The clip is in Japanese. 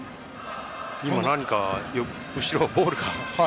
何か後ろ、ボールか。